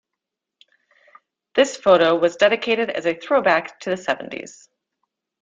This photo was dedicated as a throwback to the seventies.